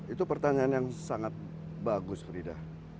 itu pertanyaan yang sangat bagus frida